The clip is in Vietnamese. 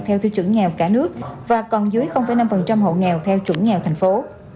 theo tiêu chuẩn nghèo cả nước và còn dưới năm hộ nghèo theo chuẩn nghèo thành phố